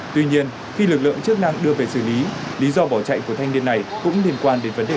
tuy nhiên khi lực lượng chức năng đưa về xử lý lý do bỏ chạy của thanh niên này cũng liên quan đến vấn đề